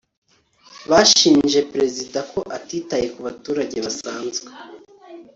bashinje perezida ko atitaye ku baturage basanzwe